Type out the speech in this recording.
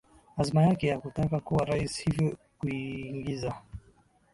azma yake ya kutaka kuwa rais hivyo kuiingiza